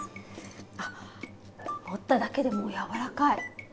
あっ持っただけでもう柔らかい！